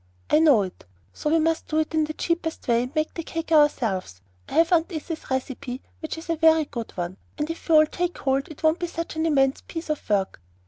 "I know it; so we must do it in the cheapest way, and make the cake ourselves. I have Aunt Izzy's recipe, which is a very good one; and if we all take hold, it won't be such an immense piece of work.